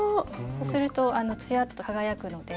そうするとつやっと輝くので。